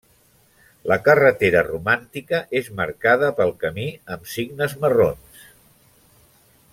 La Carretera Romàntica és marcada pel camí amb signes marrons.